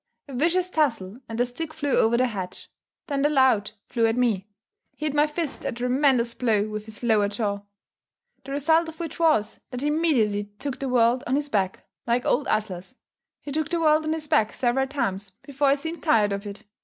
A vicious tussle, and the stick flew over the hedge. Then the lout flew at me. He hit my fist a tremendous blow with his lower jaw, the result of which was, that he immediately took the world on his back, like old Atlas he took the world on his back several times before he seemed tired of it.